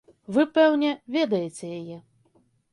Вы, пэўне, ведаеце яе.